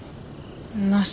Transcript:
なし。